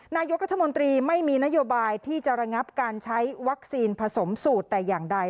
นายกรัฐมนตรีไม่มีนโยบายที่จะระงับการใช้วัคซีนผสมสูตรแต่อย่างใด